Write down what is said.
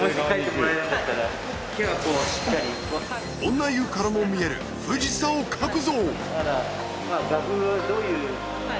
女湯からも見える富士山を描くぞ画風はどういう。